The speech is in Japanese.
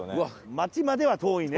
街までは遠いね。